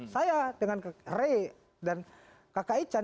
saya dengan rey dan kakak ican